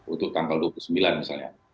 untuk tanggal dua puluh sembilan misalnya